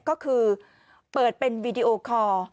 ก็คือเปิดเป็นวีดีโอคอร์